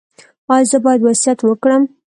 ایا زه باید وصیت وکړم؟